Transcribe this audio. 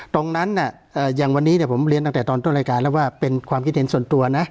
ตรงนั้นอย่างวันนี้ผมเรียนตั้งแต่ตอนต้นรายการแล้วว่าเป็นความคิดเห็นส่วนตัวนะ